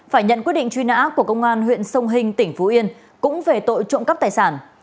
phải nhận quyết định truy nã của công an huyện sông hình tỉnh phú yên cũng về tội trộm cắp tài sản